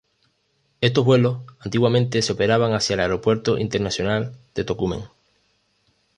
Estos vuelos antiguamente se operaban hacia el Aeropuerto Internacional de Tocumen.